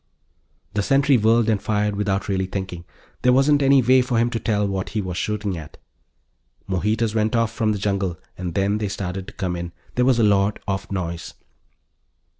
The sentry whirled and fired without really thinking. There wasn't any way for him to tell what he was shooting at. More heaters went off from the jungle, and then they started to come in. There was a lot of noise.